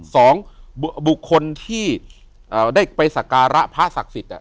สองบุคคลที่ได้ไปสักการะพระศักดิ์สิทธิ์